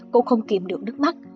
cô không kìm được nước mắt